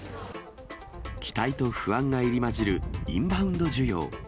期待と不安が入り混じるインバウンド需要。